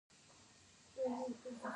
آیا د یو ښه ګاونډي په توګه نه دی؟